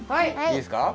いいですか？